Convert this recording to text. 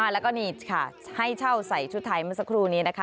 แล้วก็นี่ค่ะให้เช่าใส่ชุดไทยเมื่อสักครู่นี้นะคะ